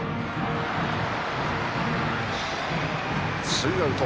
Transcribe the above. ツーアウト。